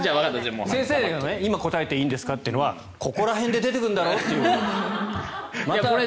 先生が今、答えていいんですか？というのはここら辺で出てくるんだろう？と。